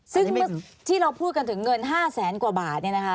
ซึ่งเมื่อที่เราพูดกันถึงเงิน๕แสนกว่าบาท